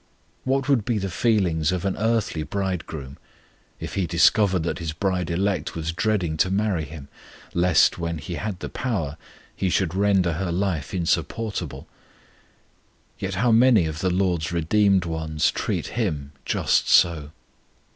What would be the feelings of an earthly bridegroom if he discovered that his bride elect was dreading to marry him, lest, when he had the power, he should render her life insupportable? Yet how many of the LORD'S redeemed ones treat Him just so!